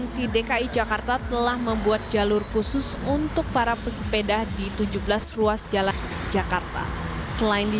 di dki jakarta telah membuat jalur khusus untuk para pesepeda di tujuh belas ruas jalan jakarta selain di